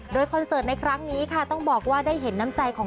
โดยคอนเสิร์ตในครั้งนี้ค่ะต้องบอกว่าได้เห็นน้ำใจของ